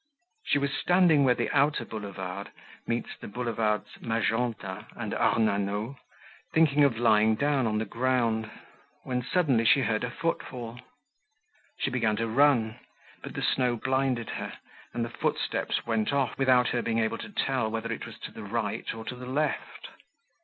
She was standing where the outer Boulevard meets the Boulevards Magenta and Ornano, thinking of lying down on the ground, when suddenly she heard a footfall. She began to run, but the snow blinded her, and the footsteps went off without her being able to tell whether it was to the right or to the left.